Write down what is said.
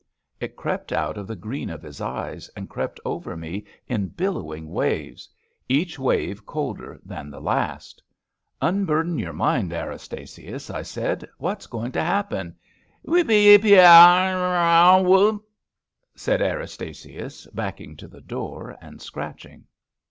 It crept out of the green of his eyes and crept over me in billowing waves — each wave colder than the last. * Un burden your mind, Erastasius,' I said. * What^s going to happen? '* Wheepee yeepee ya ya ya woopt ' said Erastasius, backing to the door and scratching.